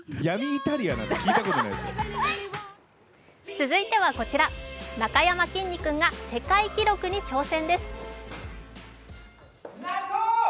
続いてはこちらなかやまきんに君が世界記録に挑戦です。